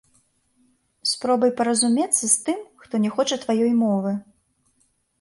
Спробай паразумецца з тым, хто не хоча тваёй мовы.